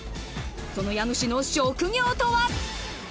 その家主の職業とは？